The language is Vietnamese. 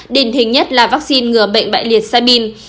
đình hình nhất là vaccine ngừa bệnh bại liệt sibin